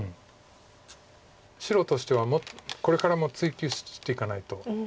白としてはこれからも追及していかないと。